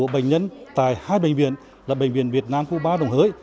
bệnh nhân tại hai bệnh viện là bệnh viện việt nam khu ba đồng hới